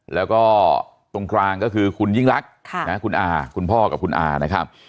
แล้วก็ตรงกลางก็คือคุณยิ่งรักคุณอาคุณพ่อกับคุณอานะครับ